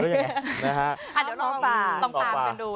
เดี๋ยวต้องตามกันดู